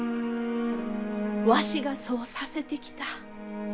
わしがそうさせてきた。